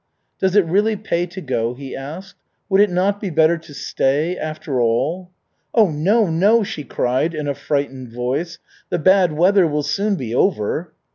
"Does it really pay to go?" he asked. "Would it not be better to stay, after all?" "Oh no, no!" she cried in a frightened voice. "The bad weather will soon be over."